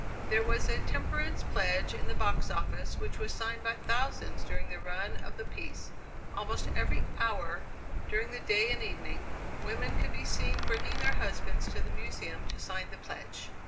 There was a temperance pledge in the box office, which was signed by thousands during the run of the piece. Almost every hour during the day and evening, women could be seen bringing their husbands to the Museum to sign the pledge.